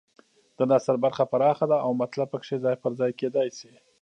د نثر برخه پراخه ده او مطلب پکې ځای پر ځای کېدای شي.